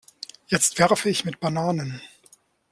Jetzt werfe ich mit Bananen.